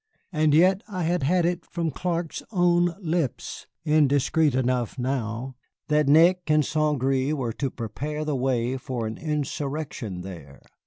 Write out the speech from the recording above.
And yet I had had it from Clark's own lips (indiscreet enough now!) that Nick and St. Gré were to prepare the way for an insurrection there.